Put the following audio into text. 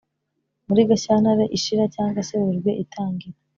muri gashyantare ishira cyangwa se werurwe itangira.